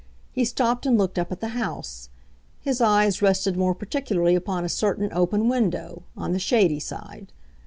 He stopped and looked up at the house; his eyes rested more particularly upon a certain open window, on the shady side.